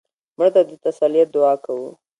مړه ته د تسلیت دعا کوو